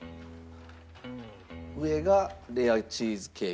上がレアチーズケーキ。